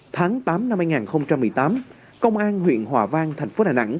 tháng tám năm hai nghìn một mươi tám công an huyện hòa vang thành phố đà nẵng